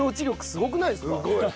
すごくないですか？